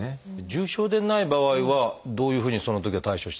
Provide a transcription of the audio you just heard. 重症でない場合はどういうふうにそのときは対処したらいい？